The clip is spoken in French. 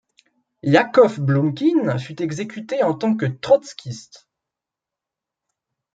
Iakov Bloumkine fut exécuté en tant que trotskiste.